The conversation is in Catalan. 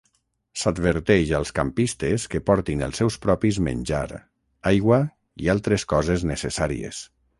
S'adverteix als campistes que portin els seus propis menjar, aigua i altres coses necessàries.